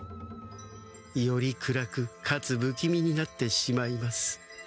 より暗くかつぶきみになってしまいます。